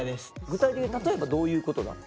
具体的に例えばどういうことなん？